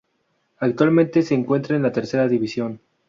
Actualmente se encuentra en la Tercera División.